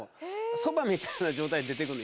そばみたいな状態で出てくんの。